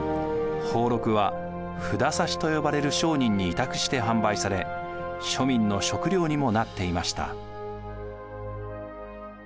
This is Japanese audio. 俸禄は札差と呼ばれる商人に委託して販売され庶民の食料にもなっていました。